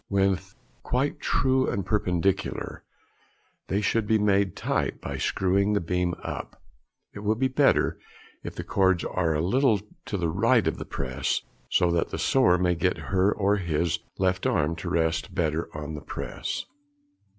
When quite true and perpendicular, they should be made tight by screwing the beam up. It will be better if the cords are a little to the right of the press, so that the sewer may get her or his left arm to rest better on the press. [Illustration: Sewing Press.